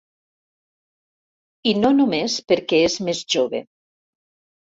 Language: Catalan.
I no només perquè és més jove.